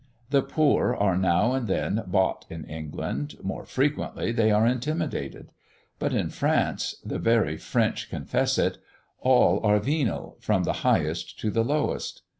The poor are now and then bought in England; more frequently they are intimidated; but in France the very French confess it all are venal, from the highest to the lowest.